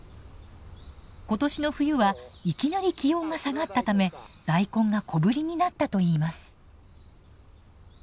今年の冬はいきなり気温が下がったため大根が小ぶりになったといいます。